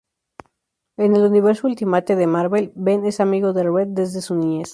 En el universo "Ultimate" de Marvel, Ben es amigo de Reed desde su niñez.